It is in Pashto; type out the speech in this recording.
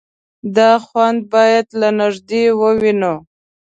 _دا خوند بايد له نږدې ووينو.